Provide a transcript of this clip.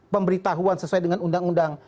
memberi tahuan sesuai dengan undang undang